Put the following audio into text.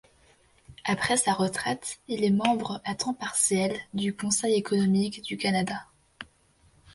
Après sa retraite, il est membre à temps partiel du Conseil économique du Canada.